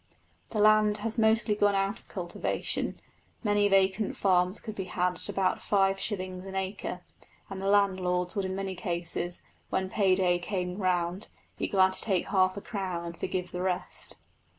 The land has mostly gone out of cultivation, many vacant farms could be had at about five shillings an acre, and the landlords would in many cases, when pay day came round, be glad to take half a crown and forgive the rest.